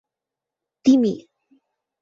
timi